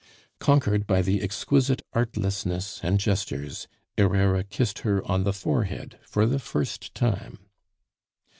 Conquered by the exquisite artlessness and gestures, Herrera kissed her on the forehead for the first time.